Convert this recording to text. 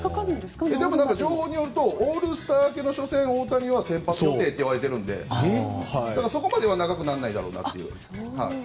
情報によるとオールスター明けの初戦、大谷は先発予定といわれているのでそこまでは長くならないだろうなという。